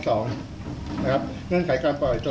ปฏิตามภาพบังชั่วมังตอนของเหตุการณ์ที่เกิดขึ้นในวันนี้พร้อมกันครับ